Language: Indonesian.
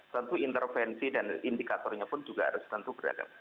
tentu intervensi dan indikatornya pun juga harus tentu beragam